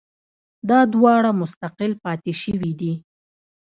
دا دواړه مستقل پاتې شوي دي